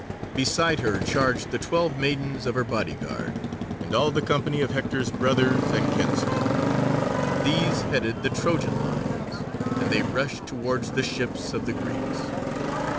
Beside her charged the twelve maidens of her bodyguard, and all the company of Hector's brothers and kinsfolk. These headed the Trojan lines, and they rushed towards the ships of the Greeks.